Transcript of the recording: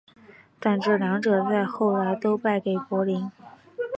但这两者在后来都落败给柏林。